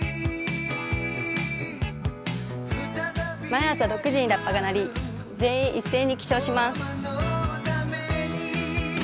毎朝６時にラッパが鳴り、全員一斉に起床します。